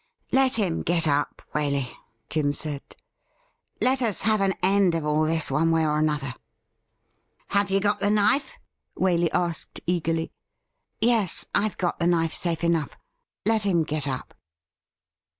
' Let him get up, Waley,' Jim said ;' let us have an end of all this one way or another.' * Have you got the knife ?' Waley asked eagerly. ' Yes, I've got the knife safe enough. Let him get up.'